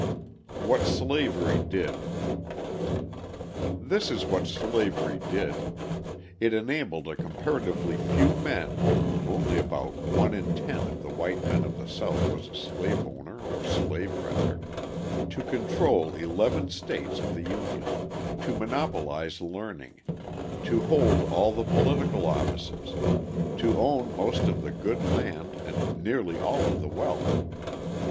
What Slavery Did This is what slavery did: It enabled a comparatively few men (only about one in ten of the white men of the South was a slave owner or slave renter) to control eleven states of the Union, to monopolise learning, to hold all the political offices, to own most of the good land and nearly all of the wealth.